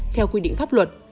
theo quy định pháp luật